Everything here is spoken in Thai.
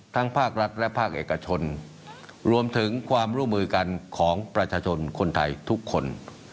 ภาครัฐและภาคเอกชนรวมถึงความร่วมมือกันของประชาชนคนไทยทุกคน